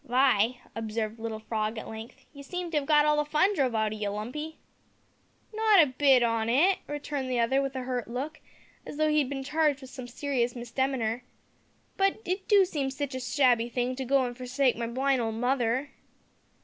"Vy," observed little Frog at length, "you seem to 'ave got all the fun drove out o' you, Lumpy." "Not a bit on it," returned the other, with a hurt look, as though he had been charged with some serious misdemeanour, "but it do seem sitch a shabby thing to go an' forsake my blind old mother."